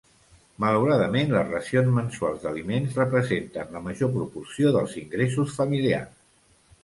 Malauradament, les racions mensuals d'aliments representen la major proporció dels ingressos familiars.